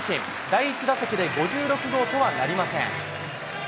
第１打席で５６号とはなりません。